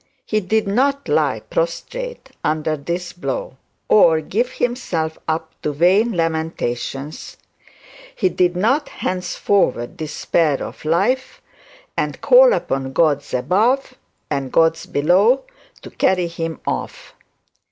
He did not lie prostrate, under this blow, or give himself to vain lamentations; he did not henceforward despair of life, and call upon gods above and gods below to carry him off.